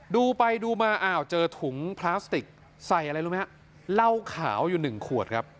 ดูไปดูมาเจอถุงพลาสติกใส่อะไรรู้ไหมเหล้าขาวอยู่๑ขวด